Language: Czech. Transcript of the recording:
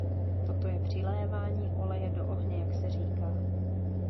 Toto je přilévání oleje do ohně, jak se říká.